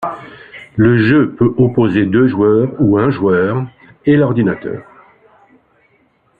Le jeu peut opposer deux joueurs ou un joueur et l’ordinateur.